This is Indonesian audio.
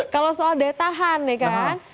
kalau soal daya tahan nih kan